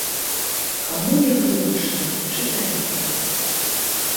Каму як зручна, чытайце.